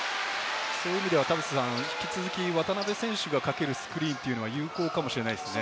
引き続き渡邊選手にかけるスクリーンというのは有効かもしれないですね。